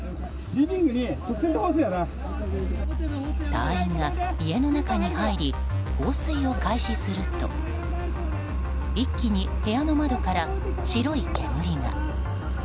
隊員が家の中に入り放水を開始すると一気に部屋の窓から白い煙が。